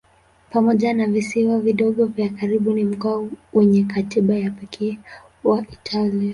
Pamoja na visiwa vidogo vya karibu ni mkoa wenye katiba ya pekee wa Italia.